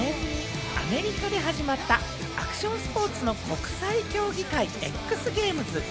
１９９９年にアメリカで始まったアクションスポーツの国際競技会、ＸＧａｍｅｓ。